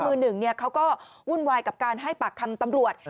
มือหนึ่งเขาก็วุ่นวายกับการให้ปากคำตำรวจ